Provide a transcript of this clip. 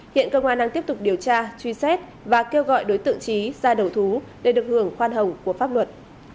hiện công an đang tiếp tục điều tra truy xét và kêu gọi đối tượng trí ra đầu thú để được hưởng khoan hồng của pháp luật